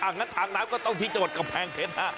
งั้นทางน้ำก็ต้องที่จังหวัดกำแพงเพชรฮะ